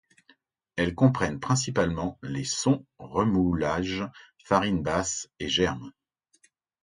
Elles comprennent principalement les sons, remoulages, farines basses et germes.